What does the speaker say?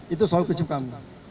itu selalu kesukaan